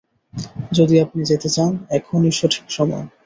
যদি আপনি যেতে চান, এখনই সঠিক সময়!